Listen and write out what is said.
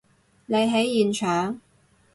你喺現場？